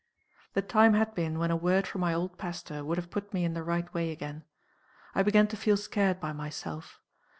"The time had been when a word from my old pastor would have put me in the right way again. I began to feel scared by myself.